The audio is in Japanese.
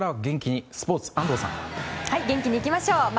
元気にいきましょう。